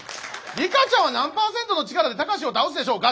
「リカちゃんは何パーセントの力でタカシを倒すでしょうか？」